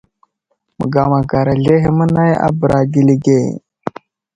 Məgamaghar azlehe mənay a bəra gəli ge.